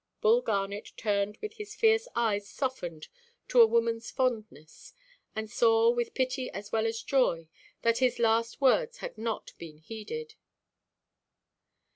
Bull Garnet returned with his fierce eyes softened to a womanʼs fondness, and saw, with pity as well as joy, that his last words had not been heeded.